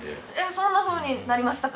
「そんなふうになりましたか！」